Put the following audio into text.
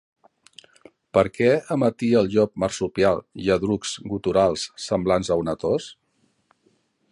Per què emetia el llop marsupial lladrucs guturals semblants a una tos?